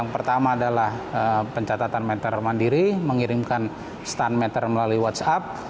pencatatan meter mandiri mengirimkan stand meter melalui whatsapp